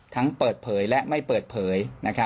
เปิดเผยและไม่เปิดเผย